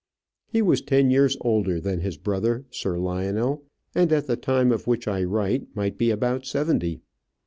He was ten years older than his brother, Sir Lionel, and at the time of which I write might be about seventy.